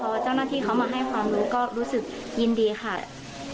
พอเจ้าหน้าที่เขามาให้ความรู้ก็รู้สึกยินดีค่ะ